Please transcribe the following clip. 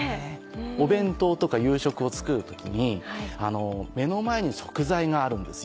お弁当とか夕食を作る時に目の前に食材があるんですよ。